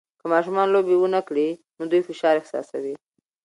که ماشومان لوبې نه وکړي، دوی فشار احساسوي.